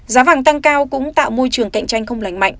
giá vàng tăng cao cũng tạo môi trường cạnh tranh không lành mạnh